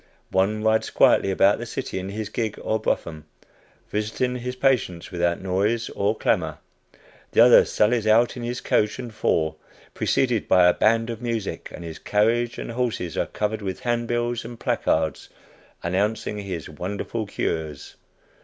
One rides quietly about the city in his gig or brougham, visiting his patients without noise or clamor the other sallies out in his coach and four, preceded by a band of music, and his carriage and horses are covered with handbills and placards, announcing his "wonderful cures."